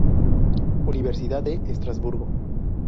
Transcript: Universidad de Estrasburgo.